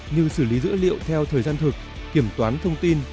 như xử lý dữ liệu theo thời gian thực kiểm toán thông tin